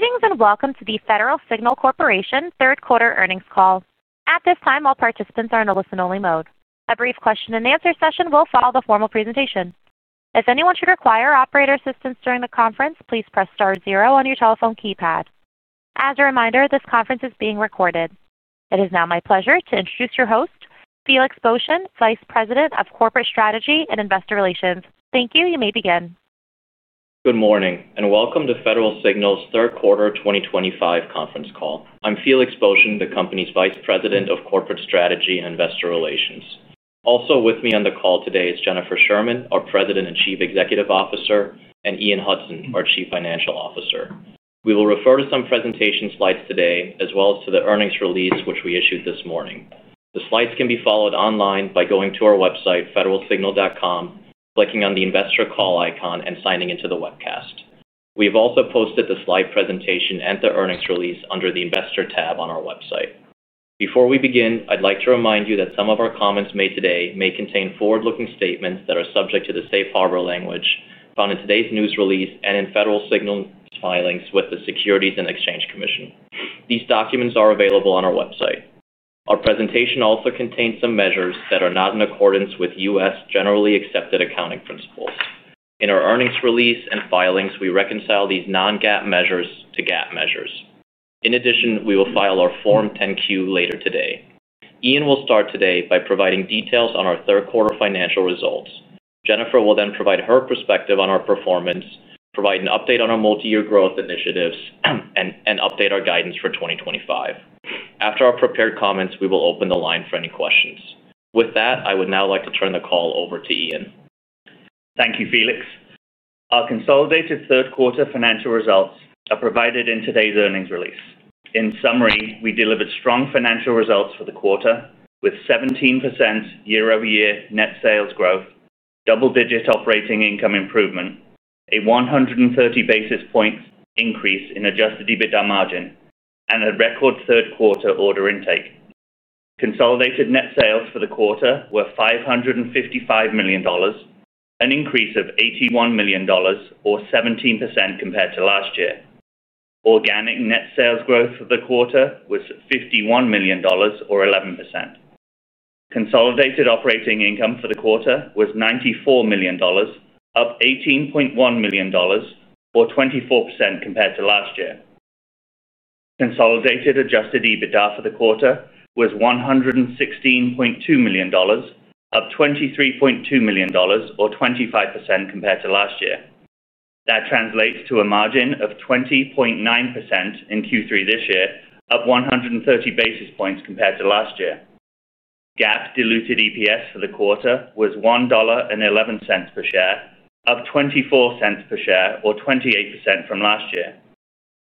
Greetings and welcome to the Federal Signal Corporation third quarter earnings call. At this time, all participants are in a listen-only mode. A brief question-and-answer session will follow the formal presentation. If anyone should require operator assistance during the conference, please press star zero on your telephone keypad. As a reminder, this conference is being recorded. It is now my pleasure to introduce your host, Felix Boschen, Vice President of Corporate Strategy and Investor Relations. Thank you. You may begin. Good morning and welcome to Federal Signal's third quarter 2025 conference call. I'm Felix Boschen, the company's Vice President of Corporate Strategy and Investor Relations. Also with me on the call today is Jennifer Sherman, our President and Chief Executive Officer, and Ian Hudson, our Chief Financial Officer. We will refer to some presentation slides today as well as to the earnings release which we issued this morning. The slides can be followed online by going to our website, federalsignal.com, clicking on the Investor Call icon, and signing into the webcast. We have also posted the slide presentation and the earnings release under the Investor tab on our website. Before we begin, I'd like to remind you that some of our comments made today may contain forward-looking statements that are subject to the safe harbor language found in today's news release and in Federal Signal's filings with the Securities and Exchange Commission. These documents are available on our website. Our presentation also contains some measures that are not in accordance with U.S. generally accepted accounting principles. In our earnings release and filings, we reconcile these non-GAAP measures to GAAP measures. In addition, we will file our Form 10-Q later today. Ian will start today by providing details on our third quarter financial results. Jennifer will then provide her perspective on our performance, provide an update on our multi-year growth initiatives, and update our guidance for 2025. After our prepared comments, we will open the line for any questions. With that, I would now like to turn the call over to Ian. Thank you, Felix. Our consolidated third quarter financial results are provided in today's earnings release. In summary, we delivered strong financial results for the quarter with 17% year-over-year net sales growth, double-digit operating income improvement, a 130 basis points increase in Adjusted EBITDA margin, and a record third quarter order intake. Consolidated net sales for the quarter were $555 million, an increase of $81 million or 17% compared to last year. Organic net sales growth for the quarter was $51 million or 11%. Consolidated operating income for the quarter was $94 million, up $18.1 million or 24% compared to last year. Consolidated Adjusted EBITDA for the quarter was $116.2 million, up $23.2 million or 25% compared to last year. That translates to a margin of 20.9% in Q3 this year, up 130 basis points compared to last year. GAAP diluted EPS for the quarter was $1.11 per share, up $0.24 per share or 28% from last year.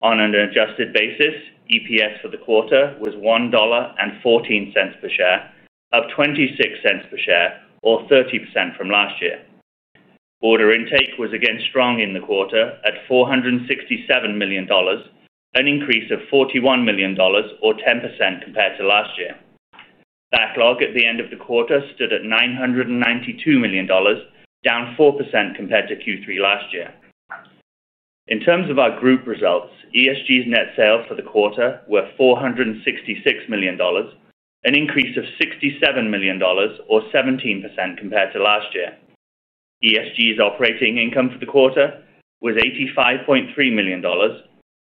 On an adjusted basis, EPS for the quarter was $1.14 per share, up $0.26 per share or 30% from last year. Order intake was again strong in the quarter at $467 million, an increase of $41 million or 10% compared to last year. Backlog at the end of the quarter stood at $992 million, down 4% compared to Q3 last year. In terms of our group results, ESG's net sales for the quarter were $466 million, an increase of $67 million or 17% compared to last year. ESG's operating income for the quarter was $85.3 million,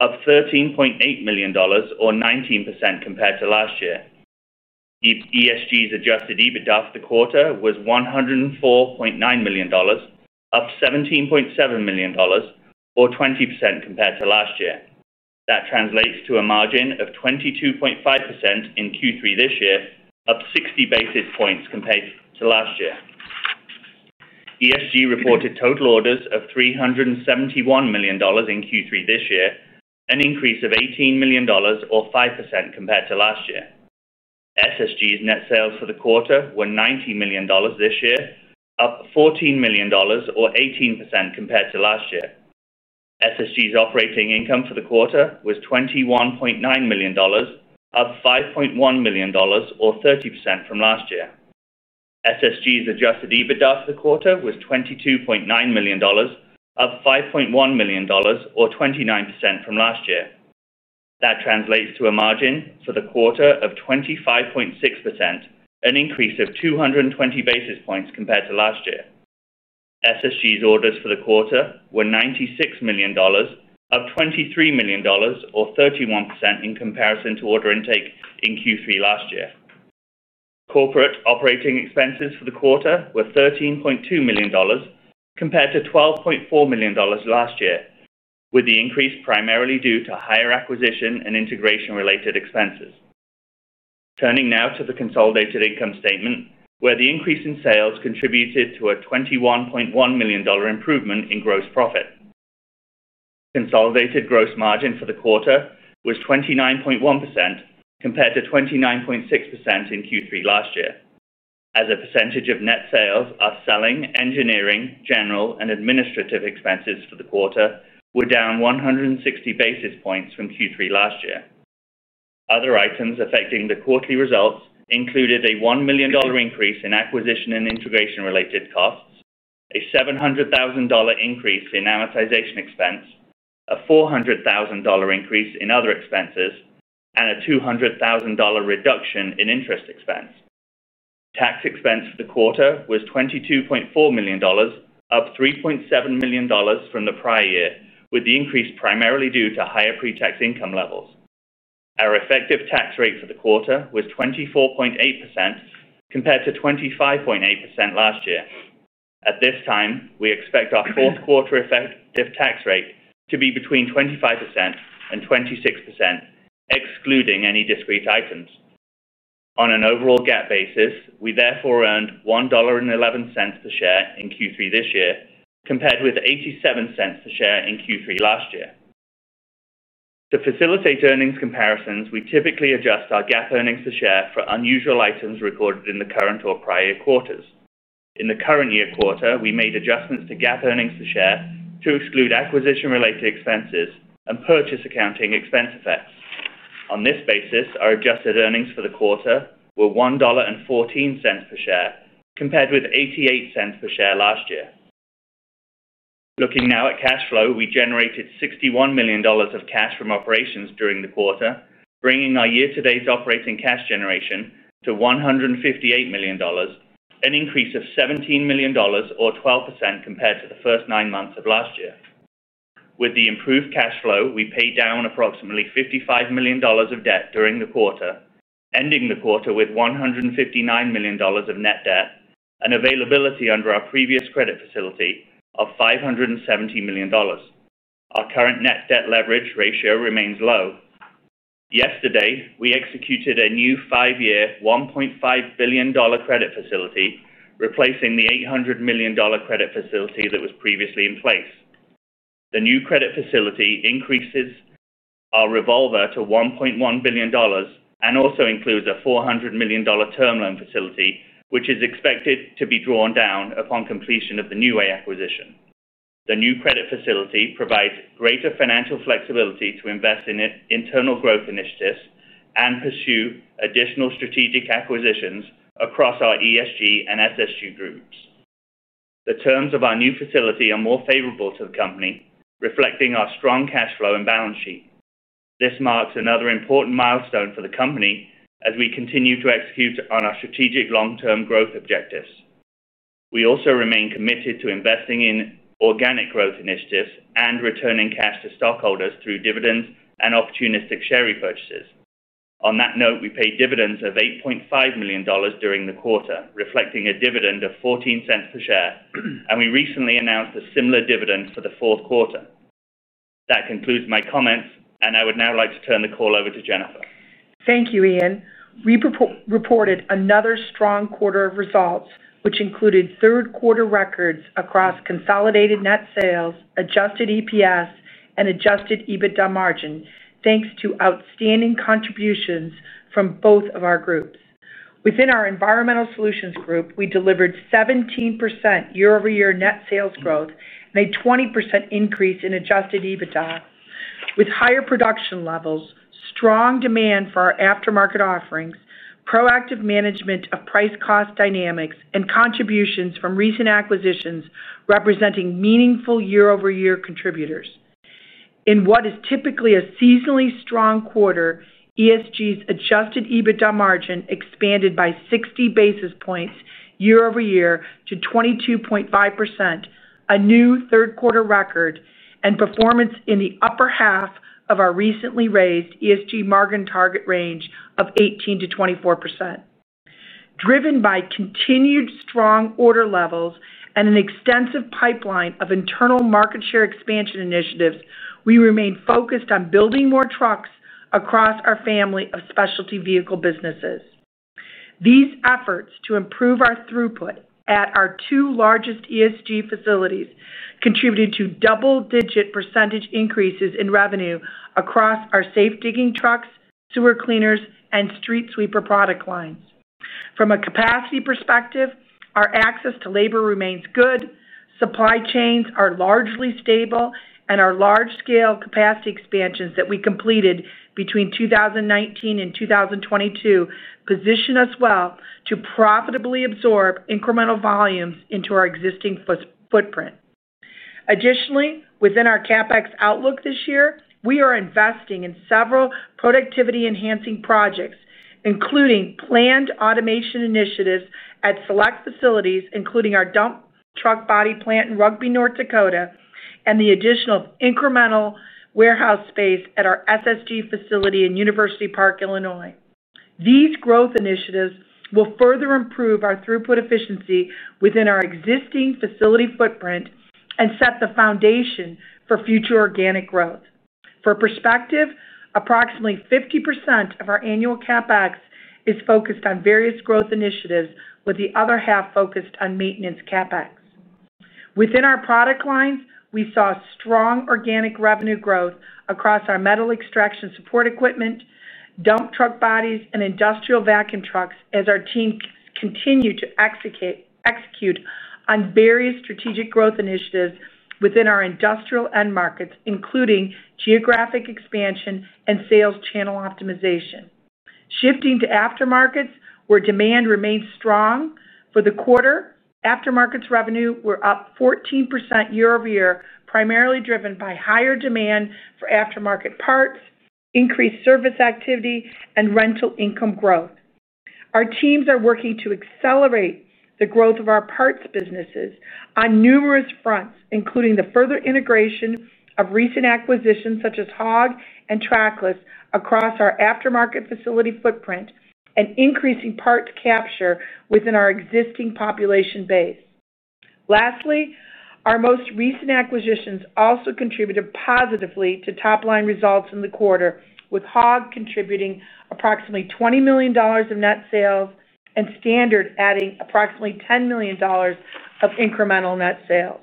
up $13.8 million or 19% compared to last year. ESG's Adjusted EBITDA for the quarter was $104.9 million, up $17.7 million or 20% compared to last year. That translates to a margin of 22.5% in Q3 this year, up 60 basis points compared to last year. ESG reported total orders of $371 million in Q3 this year, an increase of $18 million or 5% compared to last year. SSG's net sales for the quarter were $90 million this year, up $14 million or 18% compared to last year. SSG's operating income for the quarter was $21.9 million, up $5.1 million or 30% from last year. SSG's Adjusted EBITDA for the quarter was $22.9 million, up $5.1 million or 29% from last year. That translates to a margin for the quarter of 25.6%, an increase of 220 basis points compared to last year. SSG's orders for the quarter were $96 million, up $23 million or 31% in comparison to order intake in Q3 last year. Corporate operating expenses for the quarter were $13.2 million compared to $12.4 million last year, with the increase primarily due to higher acquisition and integration related expenses. Turning now to the consolidated income statement, where the increase in sales contributed to a $21.1 million improvement in gross profit, consolidated gross margin for the quarter was 29.1% compared to 29.6% in Q3 last year. As a percentage of net sales, our selling, engineering, general and administrative expenses for the quarter were down 160 basis points from Q3 last year. Other items affecting the quarterly results included a $1,000,000 increase in acquisition and integration related costs, a $700,000 increase in amortization expense, a $400,000 increase in other expenses, and a $200,000 reduction in interest expense. Tax expense for the quarter was $22.4 million, up $3.7 million from the prior year, with the increase primarily due to higher pre-tax income levels. Our effective tax rate for the quarter was 24.8% compared to 25.8% last year. At this time, we expect our fourth quarter effective tax rate to be between 25% and 26% excluding any discrete items. On an overall GAAP basis, we therefore earned $1.11 per share in Q3 this year compared with $0.87 per share in Q3 last year. To facilitate earnings comparisons, we typically adjust our GAAP earnings per share for unusual items recorded in the current or prior year quarters. In the current year quarter, we made adjustments to GAAP earnings per share to exclude acquisition related expenses and purchase accounting expense effects. On this basis, our adjusted earnings for the quarter were $1.14 per share compared with $0.88 per share last year. Looking now at cash flow, we generated $61 million of cash from operations during the quarter, bringing our year to date operating cash generation to $158 million, an increase of $17 million or 12% compared to the first nine months of last year. With the improved cash flow, we paid down approximately $55 million of debt during the quarter, ending the quarter with $159 million of net debt and availability under our previous credit facility of $570 million. Our current net debt leverage ratio remains low. Yesterday, we executed a new five-year $1.5 billion credit facility, replacing the $800 million credit facility that was previously in place. The new credit facility increases our revolver to $1.1 billion and also includes a $400 million term loan facility, which is expected to be drawn down upon completion of the New Way acquisition. The new credit facility provides greater financial flexibility to invest in internal growth initiatives and pursue additional strategic acquisitions across our ESG and SSG groups. The terms of our new facility are more favorable to the company, reflecting our strong cash flow and balance sheet. This marks another important milestone for the company as we continue to execute on our strategic long-term growth objectives. We also remain committed to investing in organic growth initiatives and returning cash to stockholders through dividends and opportunistic share repurchases. On that note, we paid dividends of $8.5 million during the quarter, reflecting a dividend of $0.14 per share, and we recently announced a similar dividend for the fourth quarter. That concludes my comments and I would now like to turn the call over to Jennifer. Thank you, Ian. We reported another strong quarter of results, which included third quarter records across consolidated net sales, Adjusted EPS, and Adjusted EBITDA margin, thanks to outstanding contributions from both of our groups. Within our Environmental Solutions Group, we delivered 17% year-over-year net sales growth and a 20% increase in Adjusted EBITDA with higher production levels, strong demand for our aftermarket offerings, proactive management of price cost dynamics, and contributions from recent acquisitions representing meaningful year-over-year contributors. In what is typically a seasonally strong quarter, ESG's Adjusted EBITDA margin expanded by 60 basis points year-over-year to 22.5%, a new third quarter record and performance in the upper half of our recently raised ESG margin target range of 18%-24%. Driven by continued strong order levels and an extensive pipeline of internal market share expansion initiatives, we remain focused on building more trucks across our family of specialty vehicle businesses. These efforts to improve our throughput at our two largest ESG facilities contributed to double-digit percentage increases in revenue across our safe digging trucks, sewer cleaners, and street sweeper product lines. From a capacity perspective, our access to labor remains good, supply chains are largely stable, and our large-scale capacity expansions that we completed between 2019 and 2022 position us well to profitably absorb incremental volumes into our existing footprint. Additionally, within our CAPEX outlook this year, we are investing in several productivity-enhancing projects, including planned automation initiatives at select facilities, including our dump truck body plant in Rugby, North Dakota, and the additional incremental warehouse space at our SSG facility in University Park, Illinois. These growth initiatives will further improve our throughput efficiency within our existing facility footprint and set the foundation for future organic growth. For perspective, approximately 50% of our annual CAPEX is focused on various growth initiatives, with the other half focused on maintenance CAPEX. Within our product lines, we saw strong organic revenue growth across our metal extraction support equipment, dump truck bodies, and industrial vacuum trucks as our team continued to execute on various strategic growth initiatives within our industrial end markets, including geographic expansion and sales channel optimization. Shifting to aftermarkets, where demand remains strong for the quarter, aftermarkets revenue were up 14% year-over-year, primarily driven by higher demand for aftermarket parts, increased service activity, and rental income growth. Our teams are working to accelerate the growth of our parts businesses on numerous fronts, including the further integration of recent acquisitions such as HOG Technologies and Trackless across our aftermarket facility footprint and increasing parts capture within our existing population base. Lastly, our most recent acquisitions also contributed positively to top line results in the quarter with HOG Technologies contributing approximately $20 million of net sales and Standard Equipment Company adding approximately $10 million of incremental net sales.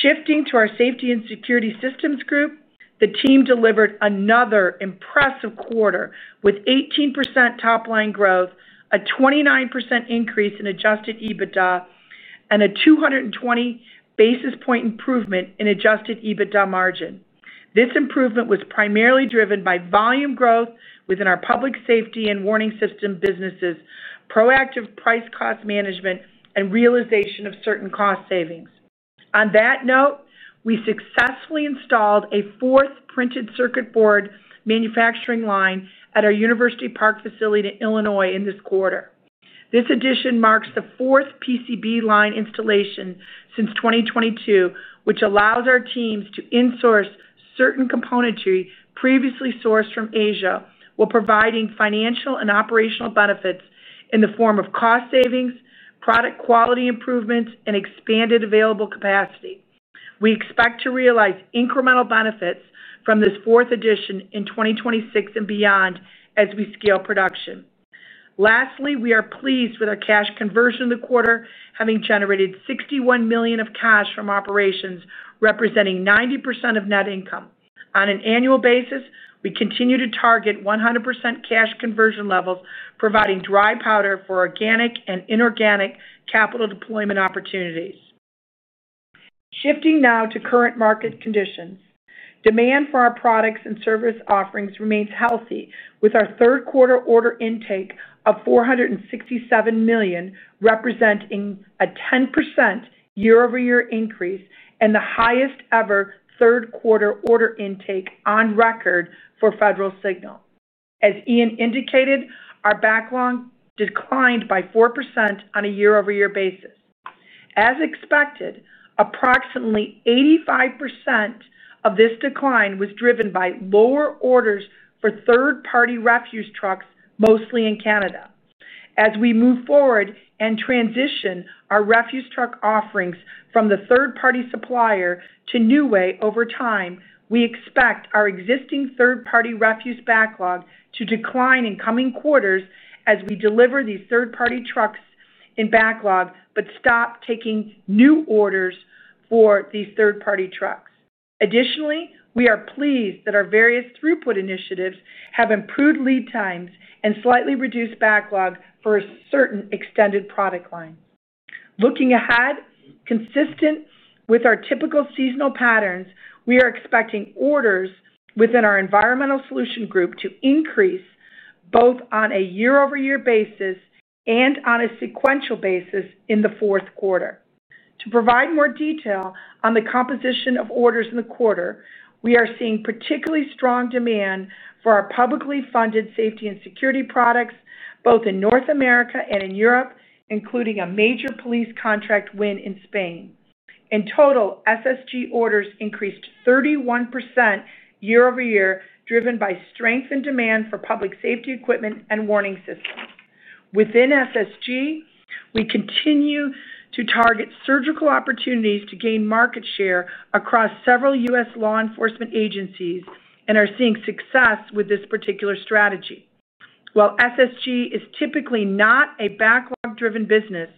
Shifting to our Safety and Security Systems Group, the team delivered another impressive quarter with 18% top line growth, a 29% increase in Adjusted EBITDA, and a 220 basis point improvement in Adjusted EBITDA margin. This improvement was primarily driven by volume growth within our public safety and warning system businesses, proactive price cost management, and realization of certain cost savings. On that note, we successfully installed a fourth printed circuit board manufacturing line at our University Park facility in Illinois in this quarter. This addition marks the fourth PCB line installation since 2022, which allows our teams to insource certain componentry previously sourced from Asia while providing financial and operational benefits in the form of cost savings, product quality improvements, and expanded available capacity. We expect to realize incremental benefits from this fourth addition in 2026 and beyond as we scale production. Lastly, we are pleased with our cash conversion in the quarter. Having generated $61 million of cash from operations representing 90% of net income on an annual basis, we continue to target 100% cash conversion levels, providing dry powder for organic and inorganic capital deployment opportunities. Shifting now to current market conditions, demand for our products and service offerings remains healthy with our third quarter order intake of $467 million representing a 10% year-over-year increase and the highest ever third quarter order intake on record for Federal Signal Corporation. As Ian indicated, our backlog declined by 4% on a year-over-year basis. As expected, approximately 85% of this decline was driven by lower orders for third party refuse trucks, mostly in Canada. As we move forward and transition our refuse truck offerings from the third party supplier to New Way over time, we expect our existing third party refuse backlog to decline in coming quarters as we deliver these third party trucks in backlog but stop taking new orders for these third party trucks. Additionally, we are pleased that our various throughput initiatives have improved lead times and slightly reduced backlog for a certain extended product line. Looking ahead, consistent with our typical seasonal patterns, we are expecting orders within our Environmental Solutions Group to increase both on a year-over-year basis and on a sequential basis in the fourth quarter. To provide more detail on the composition of orders in the quarter, we are seeing particularly strong demand for our publicly funded safety and security products both in North America and in Europe, including a major police contract win in Spain. In total, SSG orders increased 31% year-over-year, driven by strength in demand for public safety equipment and warning systems within SSG. We continue to target surgical opportunities to gain market share across several U.S. law enforcement agencies and are seeing success with this particular strategy. While SSG is typically not a backlog driven business,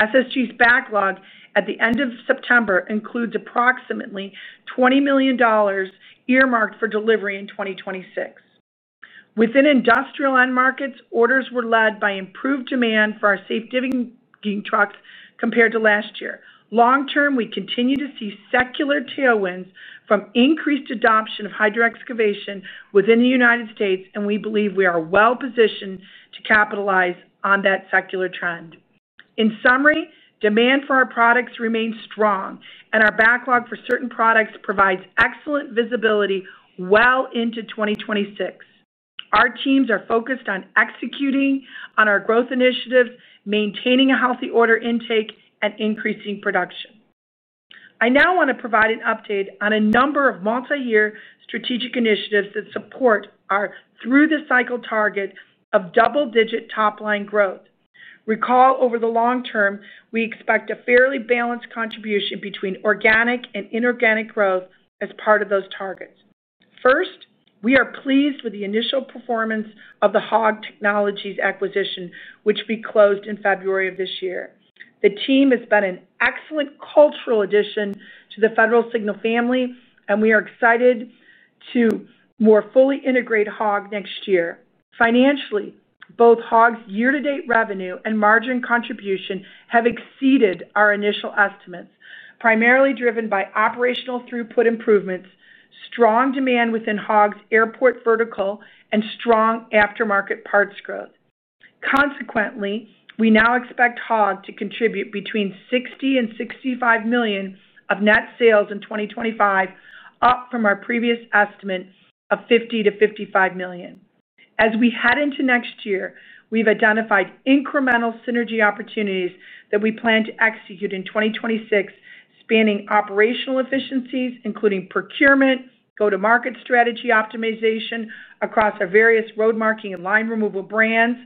SSG's backlog at the end of September includes approximately $20 million earmarked for delivery in 2026. Within industrial end markets, orders were led by improved demand for our safe digging trucks compared to last year. Long term, we continue to see secular tailwinds from increased adoption of hydro excavation within the United States and we believe we are well positioned to capitalize on that secular trend. In summary, demand for our products remains strong and our backlog for certain products provides excellent visibility well into 2026. Our teams are focused on executing on our growth initiatives, maintaining a healthy order intake and increasing production. I now want to provide an update on a number of multi year strategic initiatives that support our through the cycle target of double digit top line growth recall. Over the long term, we expect a fairly balanced contribution between organic and inorganic growth as part of those targets. First, we are pleased with the initial performance of the HOG Technologies acquisition which we closed in February of this year. The team has been an excellent cultural addition to the Federal Signal family, and we are excited to more fully integrate HOG next year financially. Both HOG's year-to-date revenue and margin contribution have exceeded our initial estimates, primarily driven by operational throughput improvements, strong demand within HOG's airport vertical, and strong aftermarket parts growth. Consequently, we now expect HOG to contribute between $60 million and $65 million of net sales in 2025, up from our previous estimate of $50 million to $55 million. As we head into next year, we've identified incremental synergy opportunities that we plan to execute in 2026, spanning operational efficiencies including procurement, go-to-market strategy optimization across our various road marking and line removal brands,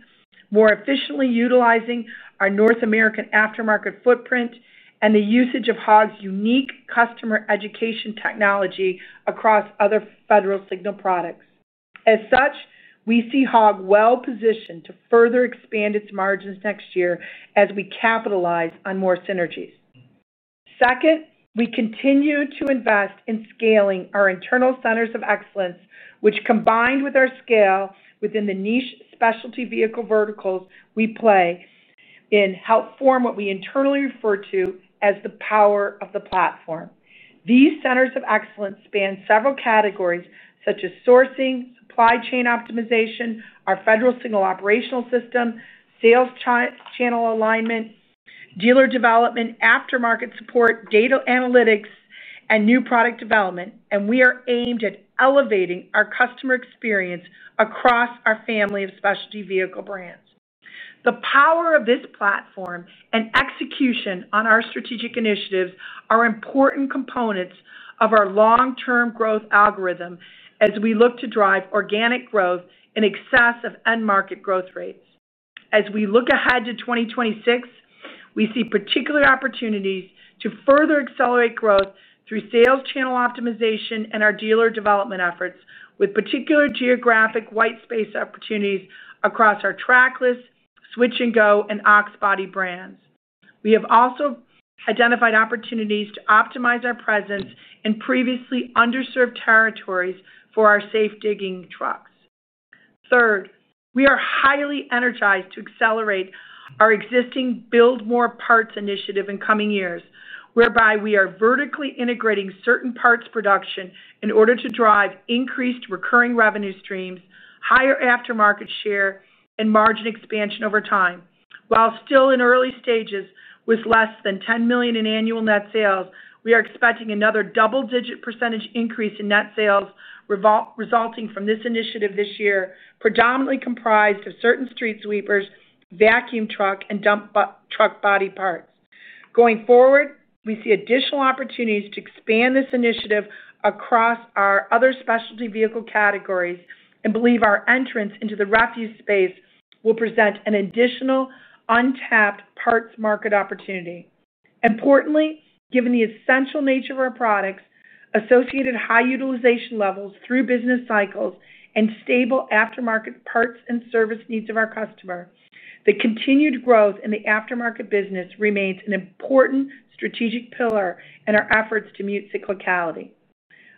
more efficiently utilizing our North American aftermarket footprint, and the usage of HOG's unique customer education technology across other Federal Signal products. As such, we see HOG well positioned to further expand its margins next year as we capitalize on more synergies. Second, we continue to invest in scaling our internal Centers of Excellence, which combined with our scale within the niche specialty vehicle verticals we play in, help form what we internally refer to as the power of the Platform. These Centers of Excellence span several categories such as sourcing, supply chain optimization, our Federal Signal operational system, sales channel alignment, dealer development, aftermarket support, data analytics, and new product development, and we are aimed at elevating our customer experience across our family of specialty vehicle brands. The power of this platform and execution on our strategic initiatives are important components of our long-term growth algorithm as we look to drive organic growth in excess of end market growth rates. As we look ahead to 2026, we see particular opportunities to further accelerate growth through sales channel optimization and our dealer development efforts with particular geographic white space opportunities across our Trackless, Switch-N-Go, and Ox Bodies brands. We have also identified opportunities to optimize our presence in previously underserved territories for our safe digging trucks. Third, we are highly energized to accelerate our existing Build More Parts initiative in coming years whereby we are vertically integrating certain parts production in order to drive increased recurring revenue streams, higher aftermarket share, and margin expansion over time. While still in early stages, with less than $10 million in annual net sales, we are expecting another double-digit percentage increase in net sales resulting from this initiative this year, predominantly comprised of certain street sweeper, vacuum truck, and dump truck body parts. Going forward, we see additional opportunities to expand this initiative across our other specialty vehicle categories and believe our entrance into the refuse space will present an additional untapped parts market opportunity. Importantly, given the essential nature of our products, associated high utilization levels through business cycles, and stable aftermarket parts and service needs of our customer, the continued growth in the aftermarket business remains an important strategic pillar in our efforts to mute cyclicality.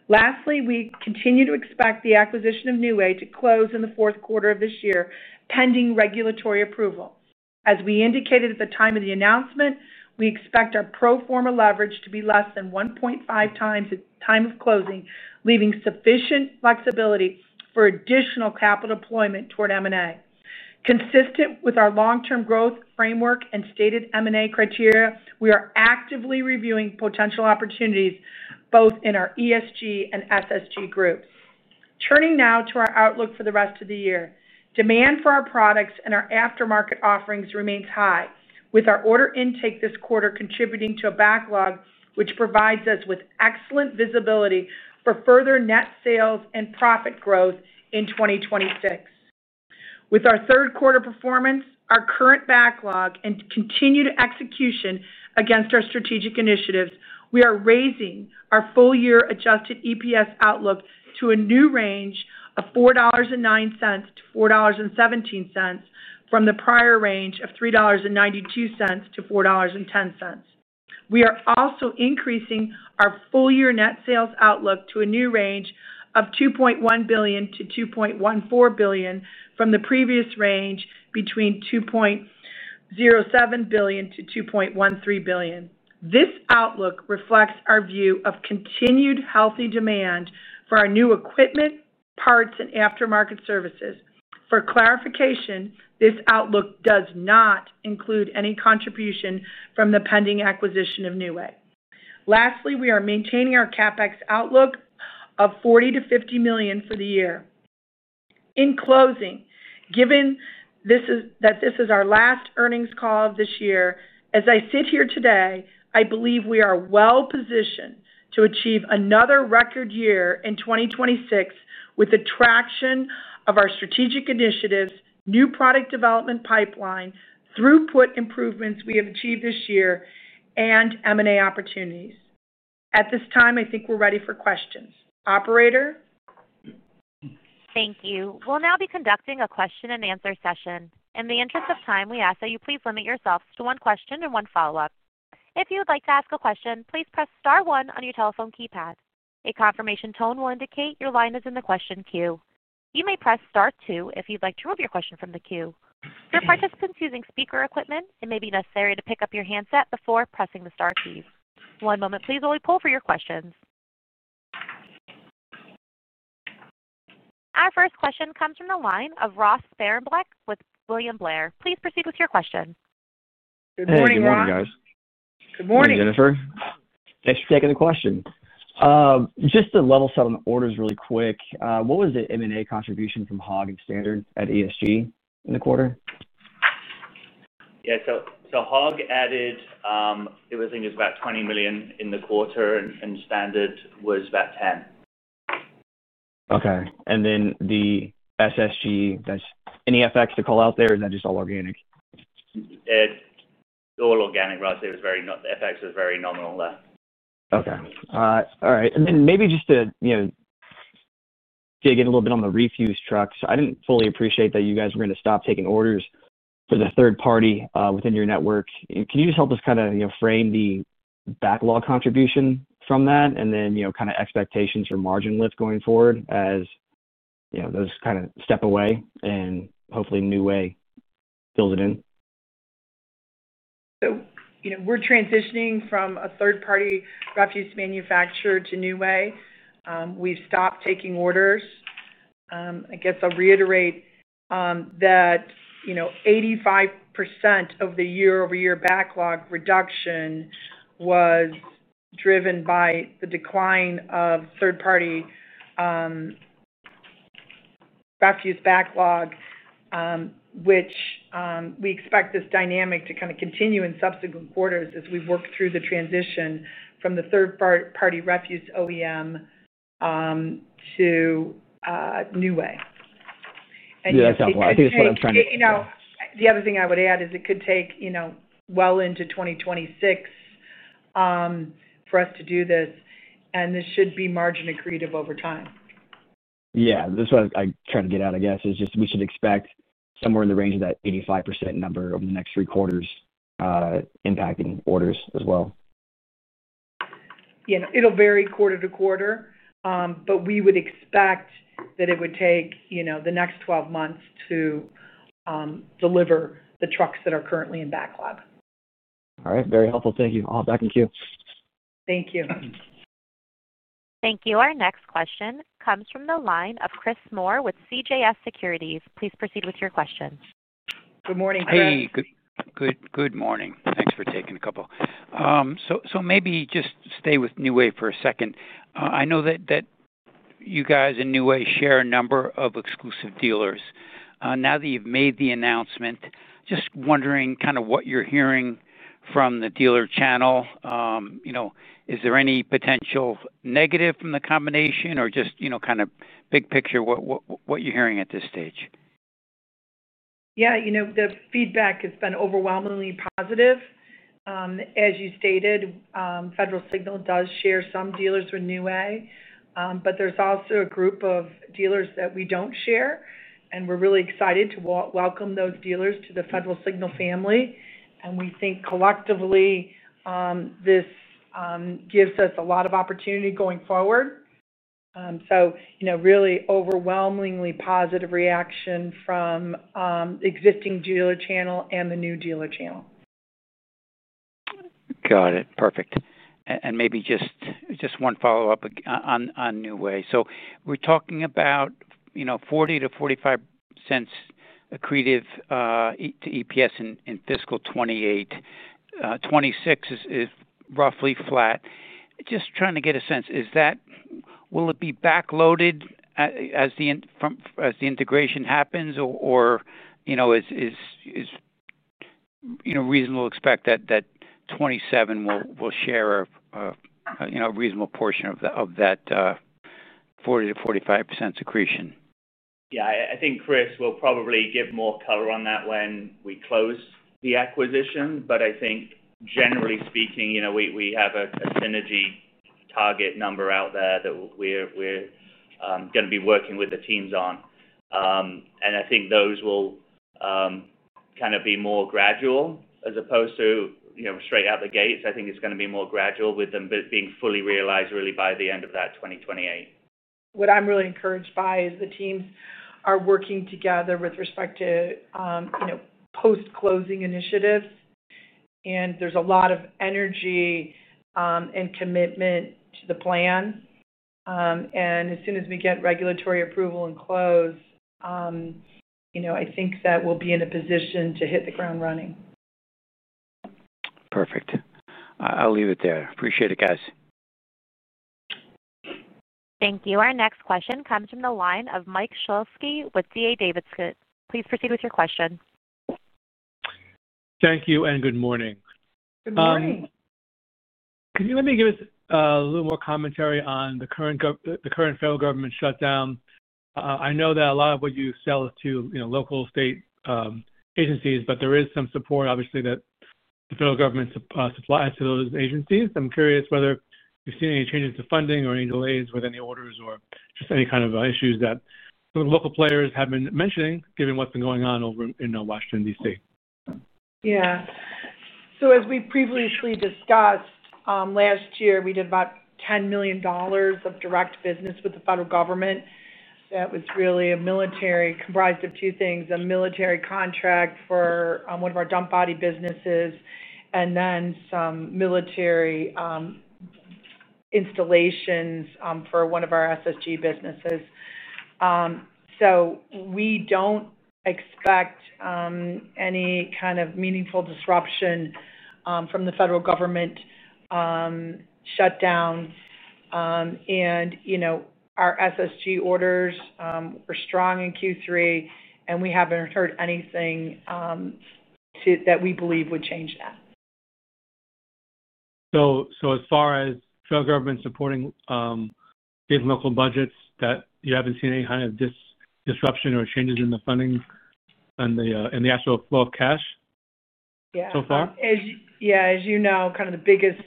Lastly, we continue to expect the acquisition of New Way to close in the fourth quarter of this year pending regulatory approval. As we indicated at the time of the announcement, we expect our pro forma leverage to be less than 1.5x at the time of closing, leaving sufficient flexibility for additional capital deployment toward M&A. Consistent with our long-term growth framework and stated M&A criteria, we are actively reviewing potential opportunities both in our ESG and SSG group. Turning now to our outlook for the rest of the year, demand for our products and our aftermarket offerings remains high, with our order intake this quarter contributing to a backlog which provides us with excellent visibility for further net sales and profit growth in 2026. With our third quarter performance, our current backlog, and continued execution against our strategic initiatives, we are raising our full-year Adjusted EPS outlook to a new range of $4.09-$4.17 from the prior range of $3.92-$4.10. We are also increasing our full-year net sales outlook to a new range of $2.1 billion-$2.14 billion from the previous range between $2.07 billion-$2.13 billion. This outlook reflects our view of continued healthy demand for our new equipment, parts, and aftermarket services. For clarification, this outlook does not include any contribution from the pending acquisition of New Way. Lastly, we are maintaining our CAPEX outlook of $40 million-$50 million for the year. In closing, given that this is our last earnings call of this year, as I sit here today, I believe we are well positioned to achieve another record year in 2026 with the traction of our strategic initiatives, new product development pipeline, throughput improvements we have achieved this year, and M&A opportunities. At this time, I think we're ready for questions. Operator. Thank you. We'll now be conducting a question-and-answer session. In the interest of time, we ask that you please limit yourselves to one question and one follow-up. If you would like to ask a question, please press star one on your telephone keypad. A confirmation tone will indicate your line is in the question queue. You may press star two if you'd like to remove your question from the queue. For participants using speaker equipment, it may be necessary to pick up your handset before pressing the star keys. One moment, please hold for your questions. Our first question comes from the line of Ross Sparenblek with William Blair. Please proceed with your question. Good morning, Ross. Good morning, Jennifer. Thanks for taking the question. Just to level settlement orders really quick, what was the M&A contribution from HOG and Standard at ESG in the quarter? Yeah, so HOG added, I think it was about $20 million in the quarter and Standard was about $10 million. Okay. The SSG, is there any FX to call out there? Is that just all organic? All organic, right. It was very, not FX, was very nominal there. Okay. All right. Maybe just to, you know, dig in a little bit on the refuse trucks, I didn't fully appreciate that you guys were going to stop taking orders for the third party within your network. Can you just help us kind of, you know, frame the backlog contribution from that, and then, you know, kind of expectations for margin lift going forward as, you know, those kind of step away and hopefully New Way fills it in. We're transitioning from a third party refuse manufacturer to New Way. We've stopped taking orders. I'll reiterate that 85% of the year-over-year backlog reduction was driven by the decline of third party backlog, which we expect this dynamic to continue in subsequent quarters as we work through the transition from the third party refuse OEM to New Way. I think that's what I'm trying to. The other thing I would add is it could take well into 2026 for us to do this. This should be margin accretive over time. Yeah, that's what I try to get at, I guess, is just we should expect somewhere in the range of that 85% number over the next three quarters impacting orders as well. Yeah, it'll vary quarter to quarter, but we would expect that it would take the next 12 months to deliver the trucks that are currently in backlog. All right, very helpful. Thank you. I'll back in queue. Thank you. Thank you. Our next question comes from the line of Chris Moore with CJS Securities. Please proceed with your questions. Good morning, Chris. Hey, good morning. Thanks for taking a couple. Maybe just stay with New Way for a second. I know that you guys and New Way share a number of exclusive dealers. Now that you've made the announcement, just wondering kind of what you're hearing from the dealer channel. Is there any potential negative from the combination or just, you know, kind of big picture what you're hearing at this stage? Yeah, you know, the feedback has been overwhelmingly positive. As you stated, Federal Signal does share some dealers with New Way, but there's also a group of dealers that we don't share, and we're really excited to welcome those dealers to the Federal Signal family. We think collectively this gives us a lot of opportunity going forward. Really overwhelmingly positive reaction from existing dealer channel and the new dealer channel. Got it. Perfect. Maybe just one follow up on New Way. We're talking about, you know, $0.40-$0.45 accretive to EPS in fiscal 2026 is roughly flat. Just trying to get a sense, will it be backloaded as the integration happens or, you know, is it reasonable to expect that 2027 will share a reasonable portion of that 40%-45% accretion. Yeah, I think Chris will probably give more color on that when we close the acquisition. I think generally speaking we have a synergy target number out there that we're going to be working with the teams on, and I think those will kind of be more gradual as opposed to, you know, straight out the gates. I think it's going to be more gradual with them being fully realized really by the end of 2028. What I'm really encouraged by is the teams are working together with respect to post-closing initiatives, and there's a lot of energy and commitment to the plan. As soon as we get regulatory approval and close, I think that we'll be in a position to hit the ground running. Perfect. I'll leave it there. Appreciate it, guys. Thank you. Our next question comes from the line of Mike Shlisky with D.A. Davidson. Please proceed with your question. Thank you, and good morning. Good morning. Can you give us a little more commentary on the current federal government shutdown? I know that a lot of what you sell is to local and state agencies, but there is some support obviously that the federal government supplies to those agencies. I'm curious whether you've seen any changes to funding or any delays with any orders, or just any kind of issues that local players have been mentioning given what's been going on over in Washington, D.C. As we previously discussed, last year we did about $10 million of direct business with the federal government that was really comprised of two things: a military contract for one of our dump body businesses and then some military installations for one of our SSG businesses. We don't expect any kind of meaningful disruption from the federal government shutdown. Our SSG orders were strong in Q3, and we haven't heard anything that we believe would change that. As far as federal government supporting these local budgets, you haven't seen any kind of disruption or changes in the funding and the actual flow of cash so far? Yeah. As you know, the biggest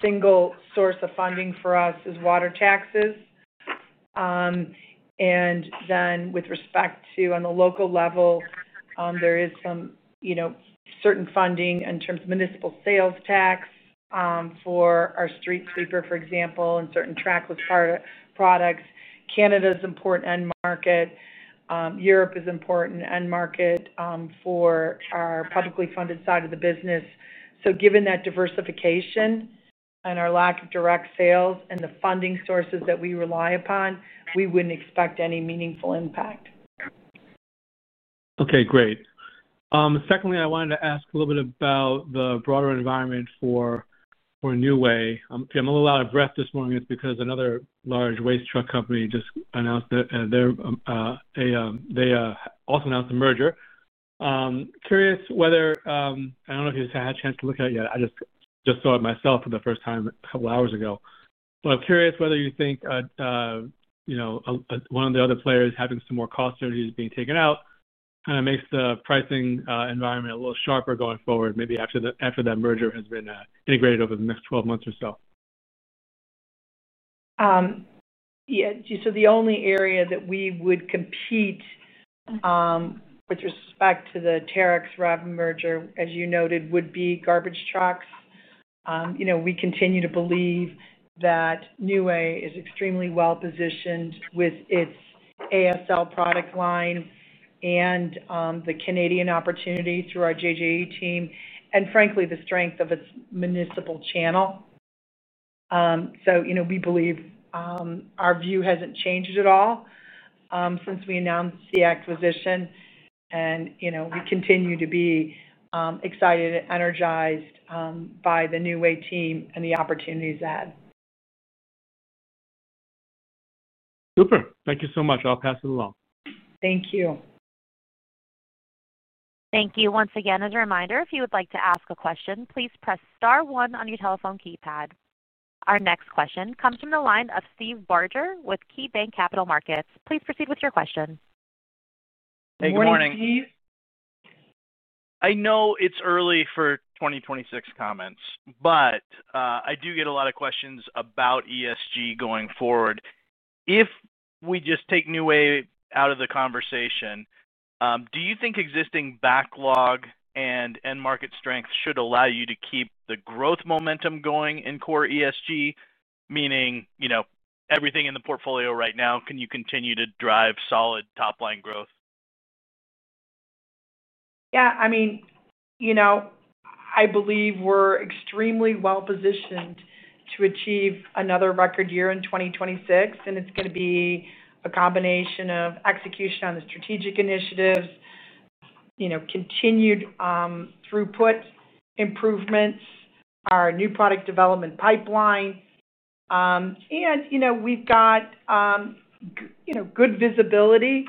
single source of funding for us is water taxes. With respect to the local level, there is certain funding in terms of municipal sales tax for our street sweeper, for example, and certain trackless products. Canada is an important end market, Europe is an important end market for our publicly funded side of the business. Given that diversification and our lack of direct sales and the funding sources that we rely upon, we wouldn't expect any meaningful impact. Okay, great. Secondly, I wanted to ask a little bit about the broader environment for New Way. I'm a little out of breath this morning. It's because another large waste truck company just announced, they also announced a merger. Curious whether, I don't know if you had a chance to look at it yet. I just saw it myself for the first time a couple hours ago. I'm curious whether you think one of the other players having some more cost synergies being taken out kind of makes the pricing environment a little sharper going forward. Maybe after that merger has been integrated over the next 12 months or so. The only area that we would compete with respect to the Terex Rev merger, as you noted, would be garbage trucks. We continue to believe that New Way is extremely well positioned with its ASL product line and the Canadian opportunity through our JJE team and, frankly, the strength of its municipal channel. We believe our view hasn't changed at all since we announced the acquisition, and we continue to be excited and energized by the New Way team and the opportunities ahead. Super. Thank you so much. I'll pass it along. Thank you. Thank you once again. As a reminder, if you would like to ask a question, please press star one on your telephone keypad. Our next question comes from the line of Steve Barger with KeyBanc Capital Markets. Please proceed with your question. Good morning. I know it's early for 2026 comments, but I do get a lot of questions about ESG going forward. If we just take New Way out of the conversation, do you think existing backlog and end market strength should allow you to keep the growth momentum going in core ESG, meaning everything in the portfolio right now? Can you continue to drive solid top line growth? Yeah, I mean, I believe we're extremely well positioned to achieve another record year in 2026, and it's going to be a combination of execution on the strategic initiatives, continued throughput improvements, our new product development pipeline, and we've got good visibility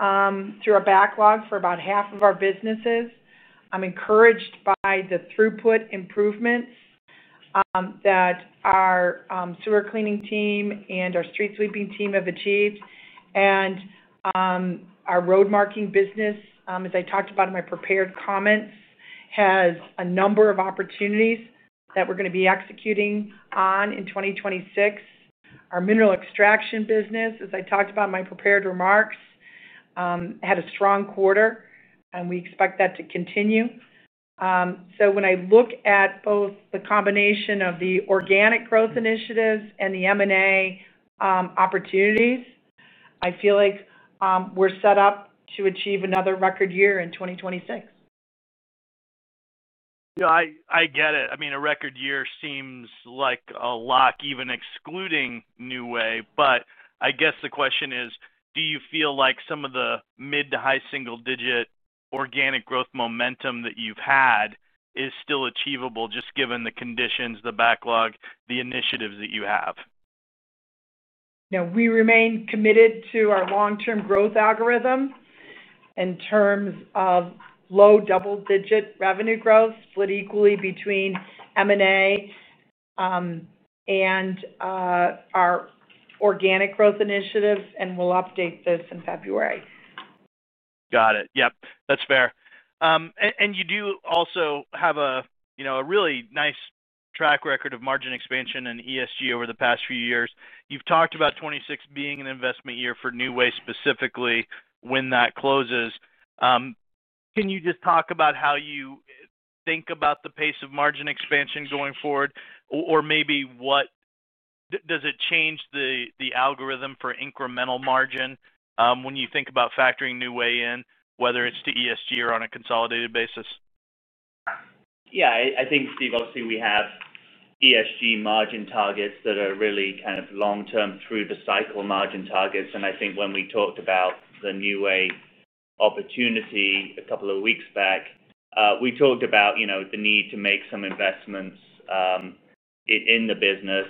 through our backlog for about half of our businesses. I'm encouraged by the throughput improvements that our sewer cleaning team and our street sweeping team have achieved. Our roadmarking business, as I talked about in my prepared comments, has a number of opportunities that we're going to be executing on in 2026. Our mineral extraction business, as I talked about in my prepared remarks, had a strong quarter, and we expect that to continue. When I look at both the combination of the organic growth initiatives and the M&A opportunities, I feel like we're set up to achieve another record year in 2026. Yeah, I get it. I mean a record year seems like a lock even excluding New Way. I guess the question is, do you feel like some of the mid to high single digit organic growth momentum that you've had is still achievable just given the conditions, the backlog, the initiatives that you have now. We remain committed to our long term growth algorithm in terms of low double-digit revenue growth split equally between M&A and our organic growth initiatives. We'll update this in February. Got it. Yep, that's fair. You do also have a really nice track record of margin expansion in ESG over the past few years. You've talked about 2026 being an investment year for New Way specifically when that closes. Can you just talk about how you think about the pace of margin expansion going forward, or maybe does it change the algorithm for incremental margin when you think about factoring New Way in, whether it's to ESG or on a consolidated basis? Yes, I think, Steve, obviously we have ESG margin targets that are really kind of long term through the cycle margin targets. I think when we talked about the New Way opportunity a couple of weeks back, we talked about the need to make some investments in the business.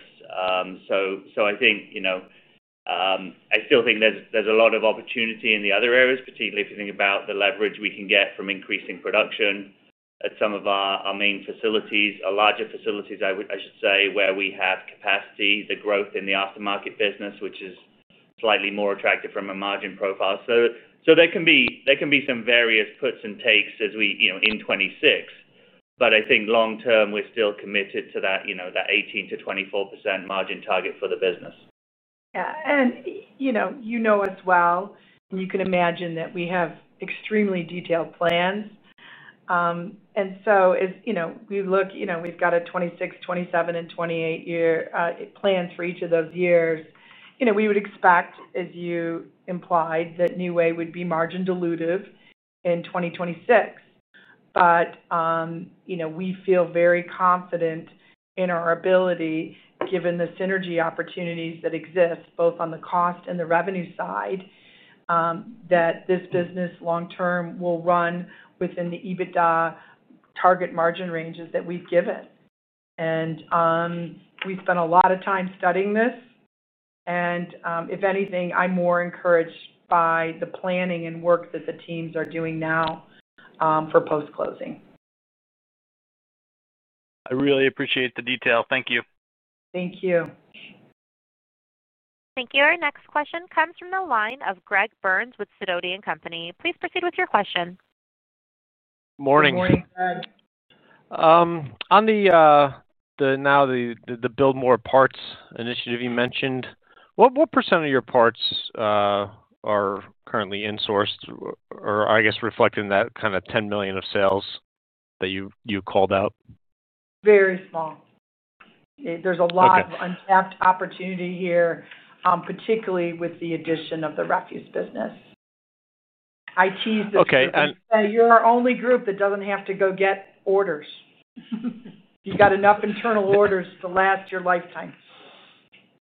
I still think there's a lot of opportunity in the other areas, particularly if you think about the leverage we can get from increasing production at some of our main facilities, larger facilities I should say, where we have capacity, the growth in the aftermarket business, which is slightly more attractive from a margin profile. There can be some various puts and takes as we, you know, in 2026, but I think long term we're still committed to that, you know, that 18%-24% margin target for the business. As you know as well, you can imagine that we have extremely detailed plans. We look, we've got 2026, 2027, and 2028 year plans for each of those years. We would expect, as you implied, that New Way would be margin dilutive in 2026. We feel very confident in our ability, given the synergy opportunities that exist both on the cost and the revenue side, that this business long term will run within the EBITDA target margin ranges that we've given. We spent a lot of time studying this, and if anything, I'm more encouraged by the planning and work that the teams are doing now for post closing. I really appreciate the detail. Thank you, thank you. Thank you. Our next question comes from the line of Greg Burns with Sidoti & Company. Please proceed with your question. Morning, Greg. On the Build More Parts initiative, you mentioned what percent of your parts are currently insourced or I guess reflecting that kind of $10 million of sales that you called out, very small. There's a lot of untapped opportunity here, particularly with the addition of the refuse business. I teased it. You're our only group that doesn't have to go get orders, you got enough internal orders to last your lifetime.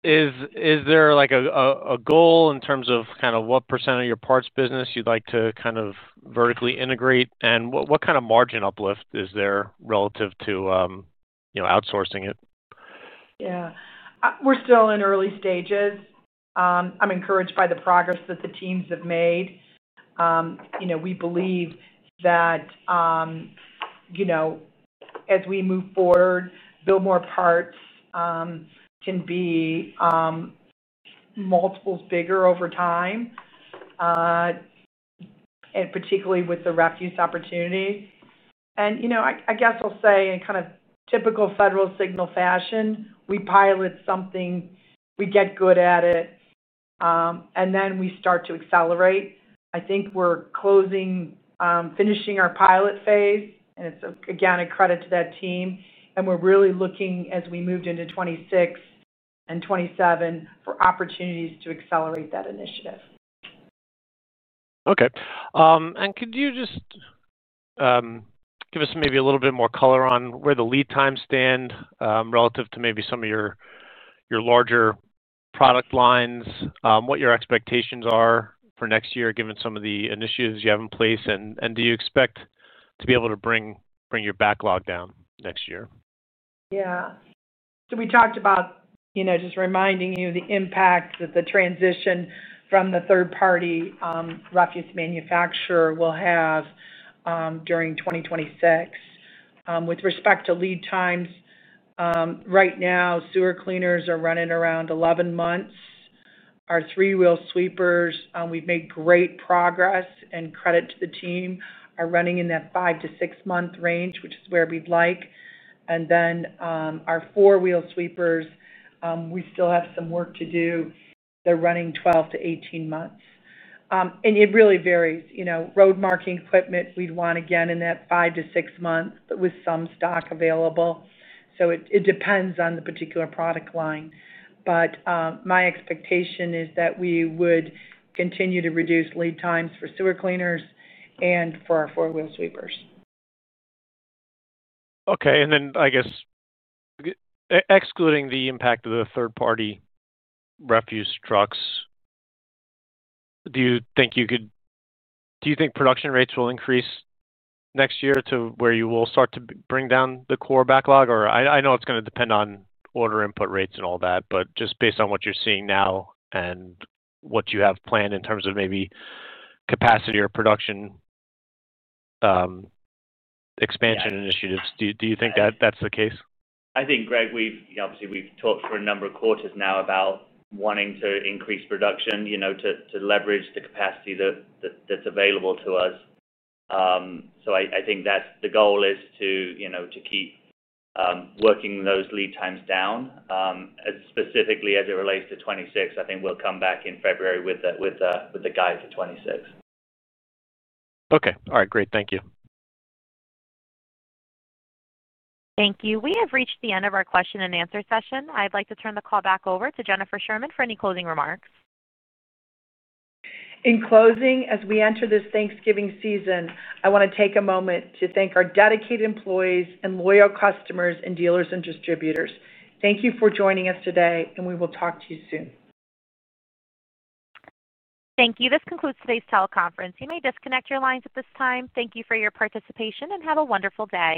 Is there a goal in terms of what percent of your parts business you'd like to vertically integrate, and what kind of margin uplift is there relative to outsourcing it? Yeah, we're still in early stages. I'm encouraged by the progress that the teams have made. We believe that as we move forward, Build More Parts can be multiples bigger over time, particularly with the refuse opportunities. I guess I'll say in typical Federal Signal fashion, we pilot something, we get good at it, and then we start to accelerate. I think we're closing, finishing our pilot phase, and it's again a credit to that team. We're really looking as we move into 2026 and 2027 for opportunities to accelerate that initiative. Okay, could you just give us maybe a little bit more color on where the lead times stand relative to maybe some of your larger product lines, what your expectations are for next year given some of the initiatives you have in place, and do you expect to be able to bring your backlog down next year? Yeah. We talked about, you know, just reminding you the impact that the transition from the third party refuse manufacturer will have during 2026 with respect to lead times. Right now sewer cleaners are running around 11 months. Our three wheel sweepers, we've made great progress and credit to the team, are running in that five to six month range, which is where we'd like. Our four wheel sweepers, we still have some work to do. They're running 12-18 months and it really varies. Road marking equipment we'd want again in that five to six month with some stock available. It depends on the particular product line. My expectation is that we would continue to reduce lead times for sewer cleaners and for our four wheel sweepers. Okay. Excluding the impact of the third party refuse trucks, do you think you could, do you think production rates will increase next year to where you will start to bring down the core backlog? I know it's going to depend on order input rates and all that, but just based on what you're seeing now and what you have planned in terms of maybe capacity or production expansion initiatives, do you think that that's the case? I think, Greg, obviously we've talked for a number of quarters now about wanting to increase production to leverage the capacity that's available to us. I think that's the goal, to keep working those lead times down, specifically as it relates to 2026. I think we'll come back in February with the guide for 2026. Okay. All right. Great. Thank you. Thank you. We have reached the end of our question-and-answer session. I'd like to turn the call back over to Jennifer Sherman for any closing remarks. In closing, as we enter this Thanksgiving season, I want to take a moment to thank our dedicated employees and loyal customers and dealers and distributors. Thank you for joining us today, and we will talk to you soon. Thank you. This concludes today's teleconference. You may disconnect your lines at this time. Thank you for your participation and have a wonderful day.